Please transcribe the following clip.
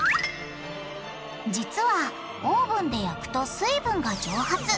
実はオーブンで焼くと水分が蒸発。